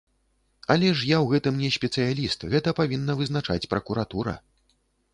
Але ж я ў гэтым не спецыяліст, гэта павінна вызначаць пракуратура.